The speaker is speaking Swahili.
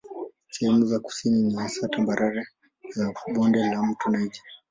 Sehemu za kusini ni hasa tambarare za bonde la mto Niger.